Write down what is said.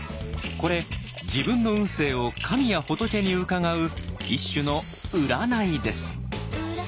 これ自分の運勢を神や仏に伺う一種の「占い」です。